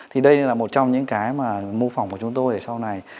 thì đây là một trong những cái mà mô phỏng của chúng tôi ở sau này